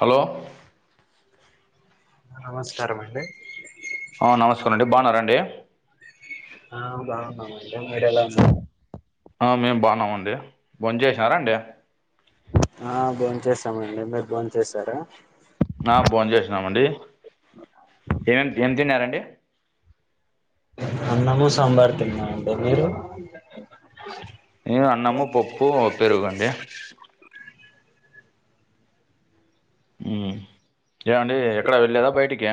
Hello నమస్కారమండి ఆ నమస్కారం అండి బాన్నారాఅండి ఆ బావున్నామండి మీరెలా ఉన్నార్ ఆ మేము బావున్నామండి బొంచేసారాఅండి ఆ బోంచేసామండి మీరు బోంచేసారా ఆ బోం చేసినామండి ఏమ్ఏం తిన్నారండి అన్నము సాంబార్ తిన్నా మండి అంటే మీరు నేను అన్నము పప్పు పెరుగండి మ్ ఏమండి ఎక్కడ వెళ్ళలేదా బయటికి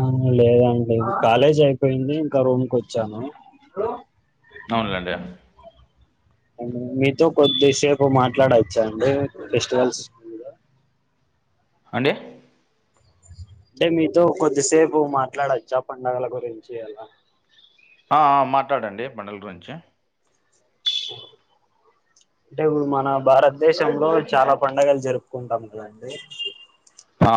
అ లేదండి కాలేజ్ అయిపోయింది ఇంకా రూమ్కి వచ్చాను అవునులేండి మీతో కొద్దిసేపు మాట్లాడవచ్చాండి ఫెస్టివల్స్ అండి అంటే మీతో కొద్దిసేపు మాట్లాడొచ్చా పండగల గురించి అలా ఆ ఆ మాట్లాడండి పండగల గురించి [inaudible] అంటే ఇప్పుడు మన భారతదేశంలో చాలా పండగలు జరుపుకుంటాం కదండి ఆ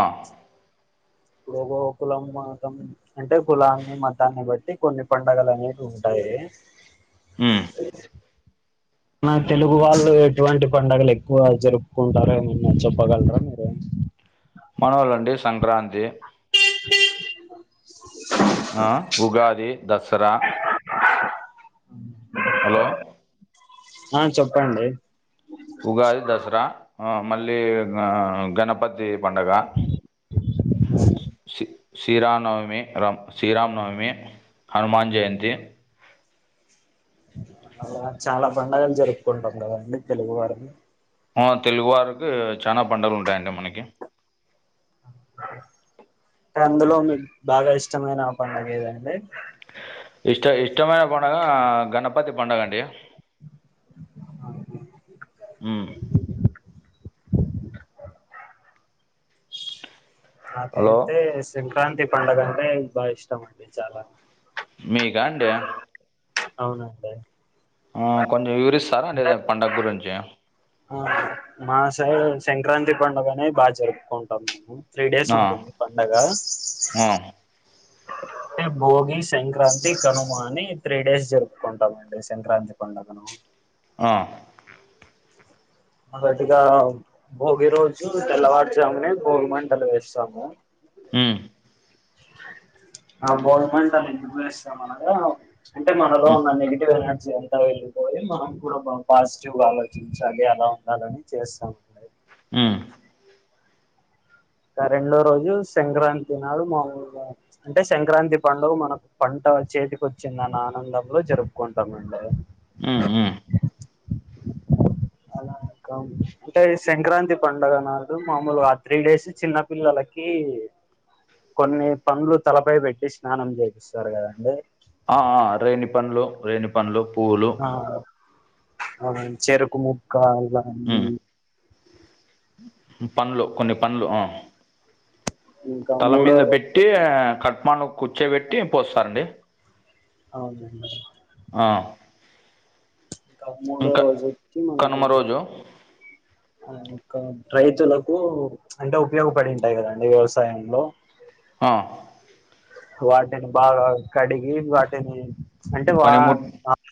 ఓ ఓ కులం మతం అంటే కులాన్ని మతాన్ని బట్టి కొన్ని పండగలు అనేవి ఉంటాయి మ్మ్ [inaudible] [unintelligible] నా తెలుగు వాళ్ళు ఎటువంటి పండగలు ఎక్కువ జరుపుకుంటారు ఏమన్న చెప్పగలరా మీరు మనోళ్లండి సంక్రాంతి [unintelligible] ఆ ఉగాది దసరా హలో ఆ చెప్పండి ఉగాది దసరా ఆ మళ్ళీ గా గణపతి పండగ సి శ్రీరామనవమి రామ్ శ్రీరామనవమి హనుమాన్ జయంతి అలా చాలా పండగలు జరుపుకుంటాం కదండి తెలుగు వారు ఆ తెలుగు వారికి చానా పండగలు ఉంటాయండి మనకి అందులో మీకు బాగా ఇష్టమైన పండగ ఏదండి ఇష్ట ఇష్టమైన పండగ గణపతి పండగ అండి అవున మ్మ్ హలో నాకైతే సంక్రాంతి పండగ అంటే బాగా ఇష్టం అండి చాలా మీకా అండి అవునండి ఆ కొంచెం వివరిస్తారా అంటే దాని పండగ గురించి ఆ మా సైడ్ సంక్రాంతి పండగ అనేది బాగా జరుపుకుంటాం మేము త్రీ డేస్ ఆ, ఉంటుంది పండగ ఆ, అంటే భోగి సంక్రాంతి కనుమ అని త్రీ డేస్ జరుపుకుంటామండి సంక్రాంతి పండ కనుమ ఆ మొదటిగా భోగి రోజు తెల్లవారుజామునే భోగి మంటలు వేస్తాము మ్మ్ ఆ బోగీ మంటలు ఎందుకు వేస్తాం అనగా అంటే మనలో మ్మ్, ఉన్న నెగిటివ్ ఎనర్జీ అన్ త వెళ్ళిపోయి మనం కూడా పాజిటివ్ గా ఆలోచించాలి అలా ఉండాలని చేస్తాం మ్మ్ ఇంగ రెండో రోజు సంక్రాంతి నాడు మాములుగా అంటే సంక్రాంతి పండుగ మనకు పంట చేతికి వచ్చిందని ఆనందంలో జరుపుకుంటామండి మ్మ్ మ్మ్ అలా రకం అంటే సంక్రాంతి పండుగ నాడు మామూలుగా ఆ త్రీ డేస్ చిన్న పిల్లలకి కొన్ని పండ్లు తలపై పెట్టి స్నానం చేపిస్తారు కదండి ఆఆ రేణి పల్లు రేణి పల్లు పు ఆ అవును ఆ చెరుకు ముక్క ఇలా అన్నీ మ్మ్, పండ్లు కొన్ని పండ్లు ఆ ఇంకా తల మూడో మీద [unintelligible] రోజు పెట్టి కూర్చోబెట్టి పోస్తారండి. అవునండి. ఆ ఇంకా మూడో ఇంక రోజు వచ్చి [unintelligible] ఇంకా రైతులకు అంటే ఉపయోగపడి ఉంటాయి కదండి వ్యవసాయంలో ఆ వాటిని బాగ కడిగి వాటిని అంటే వా పనిముట్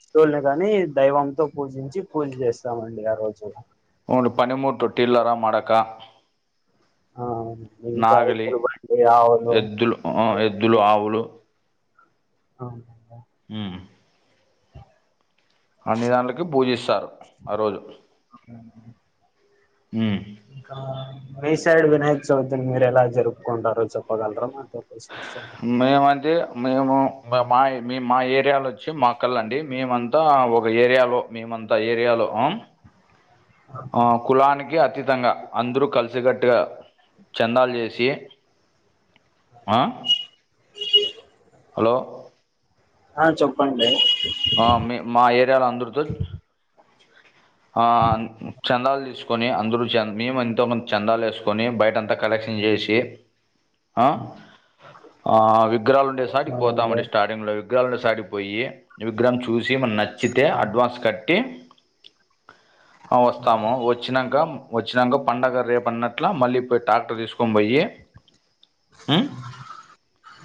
వస్తువుల్నే కాని దైవంతో పూజించి పూజ చేస్తామండి ఆ రోజు. ఉండు పనిముట్లు [unintelligible] మడక ఆ ఇంకా నాగలి ఎద్దుల బండి, ఆవులు ఎద్దులు ఆ ఎద్దులు అవన్నీ ఆవులు [unintelligible] ఆ అన్ని దాంలకి పూజిస్తారు ఆ రోజు ఇంకా మీసైడ్ వినాయకచవితి మీరు ఎలా జరుపుకుంటారు చెప్పగలరా మాతో కొంచెం మేమంటే మేము మా మేం మాఏరియాలో వచ్చి మక్కల్ అండి. మేమం అంత ఒక ఏరియాలో మేమంతా ఏరియాలో ఆ కులానికి అతీతంగ అందరూ కలిసికట్టుగ చందాలు చేసి హలో ఆ చెప్పండి. ఆ మీ మా ఏరియాలో అందరుతో ఆ చందాలు తీసుకొని, అందరు చ మేము ఎంతోమంది చందాలు వేసుకొని బయట అంత కలెక్షన్ చేశి ఆ ఆ విగ్రహాలు ఉండేసాటికి అవునండి పోతామండి స్టా ర్టింగ్లో విగ్రహాలు ఉండేసోటికిపోయి విగ్రహం చూసి మనకు నచ్చితే ఆ, అడ్వాన్స్ కట్టి ఆ వస్తాము వచ్చినంక వచ్చినంక పండగ రేపు అన్నట్ల మళ్ళీ పోయి ట్రాక్టర్ తీసుకొని పోయి హ్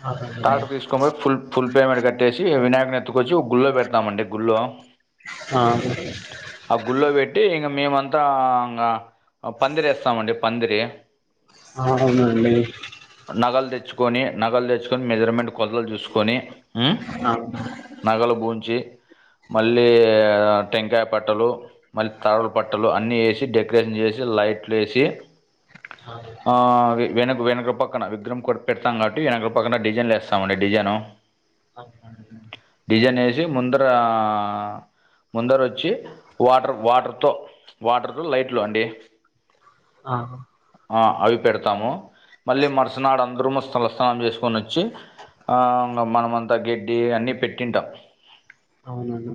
అవునండి ట్రాక్టర్ తీసుకొనిపోయి ఫుల్ ఫుల్ పేమెంట్ కట్టేశి వినాయకుని ఎత్తు కొచ్చి ఒక గుళ్ళో పెడతామండి గుళ్ళో ఆ ఆ గుళ్ళో పెట్టి ఇంగా మేమంతా ఆ పందిరి ఏస్తామండి పందిరి. ఆ అవునండి. నగలు తెచ్చుకొని నగలు తెచ్చుకొని మెజర్మెంట్ కొలతలు చూసుకొని ఆ అ నగలు బూంచి మళ్ళీ టెంకే పట్టలు మళ్ళీ తరలు పట్టలు అన్ని వేసి డెకరేషన్ చేసి లైట్లు వేసి ఆ వెనక్ వెనకప పక్కన విగ్రహం కొట్టు పెడతాం కబట్టి వెనకడ పక్కన డిజైన్లు ఎస్తామండి డిజైను [inaudible] డిజన్ ఏసి ముందర ముందరొచ్చి వాటర్ వాటర్తో వాటర్తో లైట్లు అండి ఆహ ఆ అవి పెడతాము మళ్ళీ మరుసనాడు అందరము స్థలస్నానం జేసు కొనొచ్చి ఆ మనం అంతా గడ్డి అన్నీ పెట్టింటాం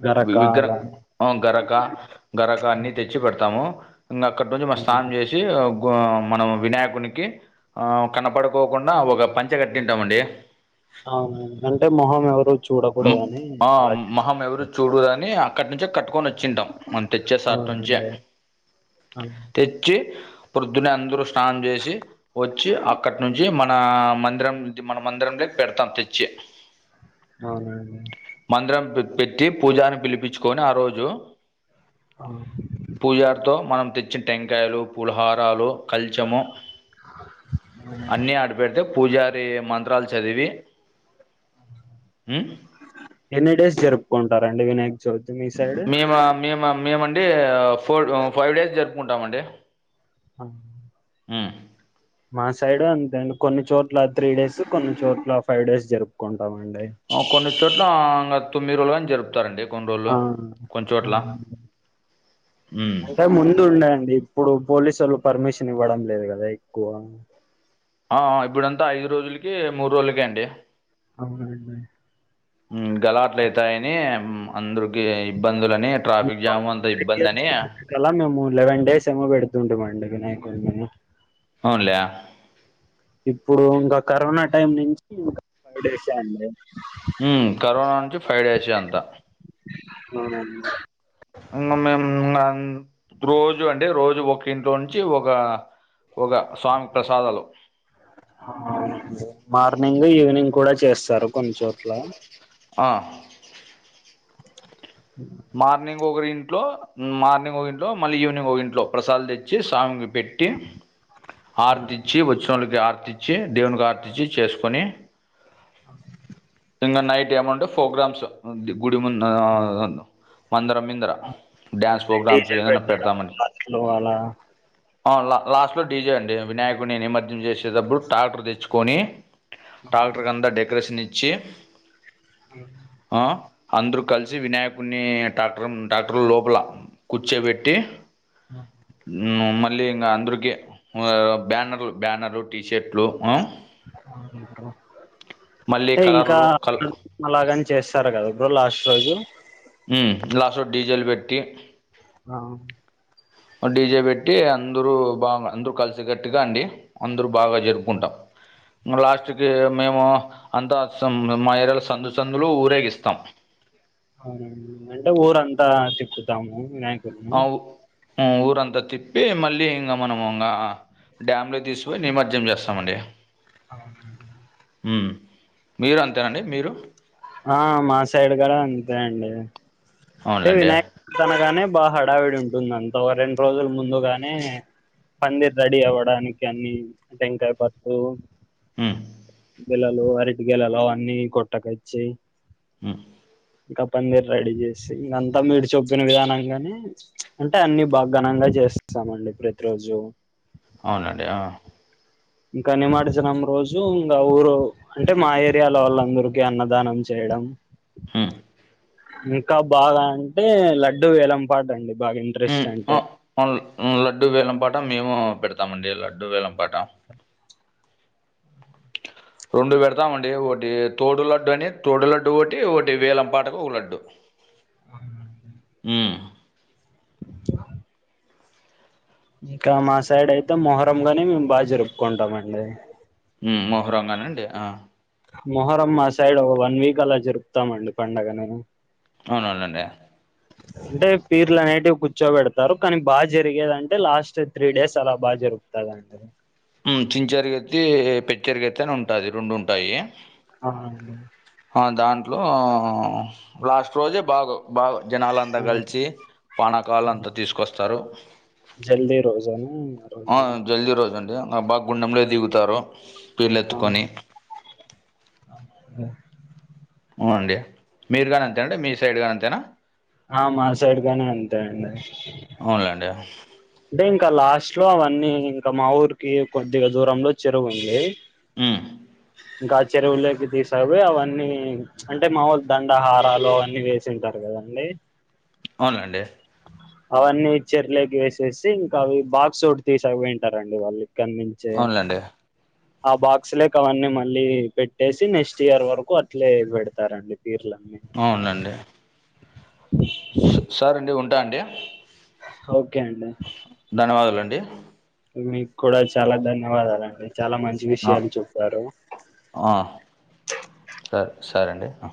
గరకా అలా ఉ గరక గరక అన్ని తెచ్చి పెడతాము ఇంగ అక్కటి నుంచి మా స్నానం అవునండి జేసి ట్టి అగ్గో మనం వినాయకునికి ఆ కనపడకోకుండా ఒక పంచ కట్టింటామండి అవునవును అంటే మొహం ఎవరు చూడకూడదని అలా మహం ఎవరు చేస్తారు చూడదని అక్కటి నుంచే కట్టుకొనొచ్ చింటామ్ మనం తెచ్చే సాట్ నుంచే అవునండి ఆ తెచ్చి ప్రొద్దున్నే అందరూ స్నానం జేసి వచ్చి అక్కట్ నుంచి మన న మందిరం ఉంది మన మందిరంలోకి పెడతాం తెచ్చి అవునవును మందిరం పెట్టి పూజారిని పిలిపిచ్చుకొని ఆ రోజు అవును పూజారితో మనం తెచ్చిన టెంకాయలు పూలహారాలు కల్చము అన్నీ ఆడపెడితే పూజారి మంత్రాలు చదివి ఉమ్ ఎన్ని డేస్ జరుపుకుంటారండి వినాయక్ చవితి మీ సైడ్ మేమా మేమండి ఫోర్ ఆ ఫైవ్ డేస్ జరుపుకుంటామండి ఆ ఊ మా సైడు అంతే అండి కొన్ని చోట్ల త్రీ డేస్ కొన్ని చోట్ల ఫైవ్ డేస్ జరుపుకుంటామండి ఆ కొన్ని చోట్ల ఆ ఇంగ తొమ్మిది రోజలు కానీ జరుపుతారండి కొన్ని ఆ రోజులు కొన్ని చోట్ల ఉమ్ అంటే ముందుండే అండి ఇప్పుడు పోలీసోళ్ళు పర్మిషన్ ఇవ్వడం లేదు కదా ఎక్కువ ఆ ఆ ఇప్పుడంతా ఐదు రోజులకి మూడు రోజులకే అండి అవునండి ఉ గలాట్లు అయితాయని అందరుకీ ఇబ్బందులని ట్రాఫిక్ జామ్ అంతా ఇబ్బంది అని అలా మేము లెవెన్ డేస్ ఏమో పెడుతుంటిమండి వినాయకుడిని మేము అవునులే ఇప్పుడు ఇంకా కరోనా టైం నుంచి ఇంకా ఫైవ్ డేసే అండి ఊ కరోనా నుంచి ఫైవ్ డేస్ అంత అవునండి ఇంగ మేము ఇంగ రోజు అంటే రోజు ఒక ఇంట్లో నుంచి ఒక ఒక స్వామి కి ప్రసాదాలు మార్నింగ్ ఈవినింగ్ కూడా చేస్తారు కొన్ని చోట్ల ఆ [unintelligible] మార్నింగ్ ఒకరింట్లో మార్నింగ్ ఒక ఇంట్లో మళ్ళీ ఈవినింగ్ ఒక ఇంట్లో ప్రసాదాలు తెచ్చి స్వామికి పెట్టి ట్టి అవునండి. ఆర్తిచ్చి వచ్చినోళకి ఆర్తిచ్చి దేవునికి ఆర్తిచ్చి చేసుకొని అ ఇంగ నైట్ ఏమంటే ఫోగ్రామ్స్ డి గుడి ముందరా మందర మిందర డ్యాన్స్ ప్రోగ్రామ్స్ డీజే ఏదన్న పెట్టడం పెడదామని బస్లో అలా ఆ లా లాస్ట్ లో డీ జే అండి వినాయకుని నిమజ్జం చేసేటప్పుడు ట్రాక్టర్ దేచ్చుకొని ట్రాక్టర్ అవునండి కంతా డెకరేషన్ ఇచ్చి అ ఆ అంద్రూ కలిసి వినాయక్ కున్ని టాక్టర్ ఉమ్ టాక్టర్ లోపల కూర్చోబెట్టి ఉమ్ మట్ ళ్ళీ ఇంగ అందరికీ బ్యానర్లు బ్యానర్ టీషర్ట్లు మళ్ళీ టె ఇంకా కలర్లు కల్ అలాగని చేస్తారు గదా బ్రో లాస్ట్ రోజు ఉమ్ లాస్ట్ రోజు డీ జె లు పెట్టి ఆ డీ జే పెట్టి అందరూ బాగ అందరూ కలిసి గట్టిగా అండి అందరూ బాగా జరుపుకుంటాం లాస్ట్ కి మేము అంతా సం మా ఏరియా ల సందుసందుల ఊరేగిస్తాం అవునండి అంటే ఊరంతా తిప్పుతాము వినాయ్ అవ్ ఉమ్ ఊరంతా తిప్పి మళ్ళీ ఇంగ మనము ఇంగా డ్యామ్లో తీస్కుపోయి నిమజ్జం చేస్తామండి అవునా ఉమ్ మీరు అంతేనండి మీరు ఆ మా సైడ్ గడ అంతే అండి టే అవునులేండి వినాయక తానగాని బా హడావిడి ఉంటుంది అంత రెండు రోజుల ముందుగానే పందిర్రెడీ అవ్వడానికి అన్ని టెంకాయ, పసుపు ఉమ్ గెలలు అరటి గెలలవన్నీ కొట్టకచ్చి హ ఇంకా పందిర్రెడీ చేసి ఇంకంతా మీరు చొప్పిన విధానంగానే అంటే అన్ని బా ఘనంగా చేస్తామండి ప్రతి రోజు అవునండి ఆ ఇంక నిమడ్జనం రోజు ఇంగ ఊరు అంటే మా ఏరియాలో వాళ్ళ అందరుకీ అన్నదానం చేయడం హహ్మ్ ఇంకా బాగా అంటే లడ్డు వేలంపాట అండి బాగా ఇన్ ఉమ్ ఆ లడ్డూ వేలం పాట మేము పెడతామండి లడ్డూ వేలం పాట రొండు పెడతామండి ఒకటి తోడు లడ్డు అని తోడు లడ్డు ఒకటి ఒకటి వేలం పాటకు ఒక లడ్డు ఉమ్ ఇంకా మా సైడ్ అయితే మొహరం గాని మేము బాగ జరుపుకుంటామండి ఉమ్ మొహరంగానండి ఆ మొహరం మా సైడ్ ఒక వన్ వీక్ అలా జరుపుతామండి పండగను అవునవునండి అంటే పీర్లు అనేటివి కూర్చోబెడతరు కనీ బాగా జరిగేదంటె లాస్ట్ త్రీ డేస్ అలా బాగా జరుపుతార్ కరక్టది చించరిగత్తి పెచ్చరిగత్తి అని ఉంటాది రొండు ఉంటాయి అహాహ ఆ దాంట్లో లాస్ట్ రోజే బాగో బాగు జనాలంతా ఆ కలిసి, పానాకాలు అంత తీసుకొస్తరు. జల్దీ రోజని ఆ రోజు జల్ది రోజు అండి ఆ బా గుండెంలో దిగుతారు పీళ్ళెత్తుకొని ఉ అండి. మీరు కానీ అంతేనండి మీ సైడ్ కానీ అంతేనా? ఆ మా సైడ్ గాని అంతే అండి. అవున్లేండి. అంటే ఇంకా లాస్ట్ లో అవన్నీ ఇంకా మా ఊరికి కొద్దిగా దూరంలో చెరువు ఉంది ఉ ఇంకా ఆ చెరువులోకి తీసాపోయి అవన్నీ అంటే మాములు దండహారాలు అన్ని వేసింటారు కదండి ఔనండి అవన్నీ చెర్లేకి వేసేసి ఇంకా అవి బాక్సోటి తీసై వెంట రండి వాళ్ళు కన్మించే [inaudible] ఆ బాక్స్ లేకి అవన్నీ, మళ్ళీ పెట్టేసి నేస్టియర్ వరకు అట్లే బెడతారండి పీర్లన్ని. అవునండి. సు సరెండి ఉంటా అండి. హౌ ఒకే అండి ధన్యవాదలండి మీకు కూడ చాలా ధన్యవాదాలండి. చాలా మంచి విషయాలు చెప్పారు. ఆ సర్ సరేండి ఆ